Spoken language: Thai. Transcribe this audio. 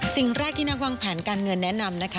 สิ่งแรกที่นักวางแผนการเงินแนะนำนะคะ